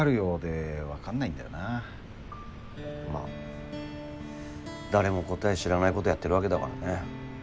まあ誰も答え知らないことやってるわけだからね。